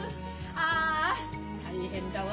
ああ大変だわ。